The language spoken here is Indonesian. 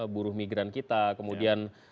buruh migran kita kemudian